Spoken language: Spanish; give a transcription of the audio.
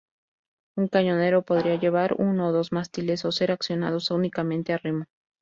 Un cañonero podría llevar uno o dos mástiles o ser accionados únicamente a remo.